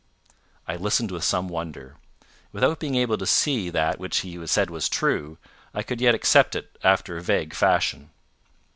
I listened with some wonder. Without being able to see that what he said was true, I could yet accept it after a vague fashion.